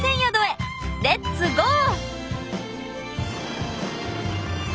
レッツゴー！